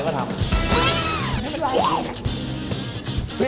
ที่นี่